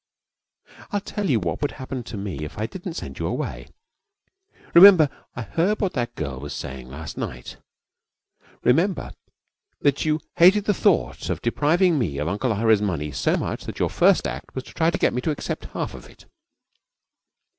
'I will tell you what would happen to me if I didn't send you away. Remember I heard what that girl was saying last night. Remember that you hated the thought of depriving me of Uncle Ira's money so much that your first act was to try to get me to accept half of it.